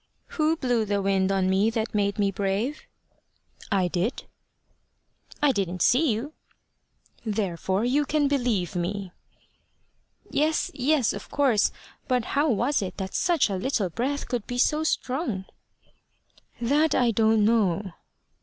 "Who blew the wind on me that made me brave?" "I did." "I didn't see you." "Therefore you can believe me." "Yes, yes; of course. But how was it that such a little breath could be so strong?" "That I don't know."